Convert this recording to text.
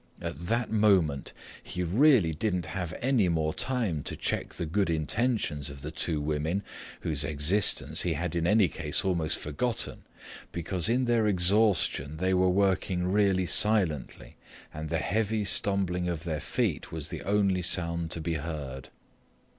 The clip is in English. At that moment he really didn't have any more time to check the good intentions of the two women, whose existence he had in any case almost forgotten, because in their exhaustion they were working really silently, and the heavy stumbling of their feet was the only sound to be heard.